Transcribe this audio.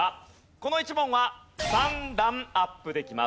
この１問は３段アップできます。